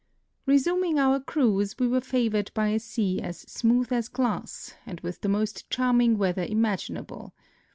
Resuming our cruise, we were favored l)y a sea as smooth as glass and Avith the most charming weather imaginable.